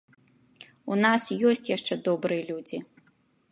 У нас ёсць яшчэ добрыя людзі!